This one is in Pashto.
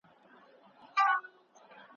مور مي ستاینه کوي.